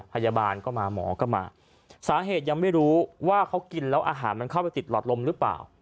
พยาบาลก็มาหมอก็มาสาเหตุยังไม่รู้ว่าเขากินแล้วอาหารมันเข้าไปติดหลอดลมหรือเปล่า